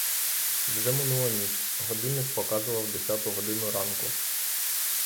Вже минула ніч, годинник показував десяту годину ранку.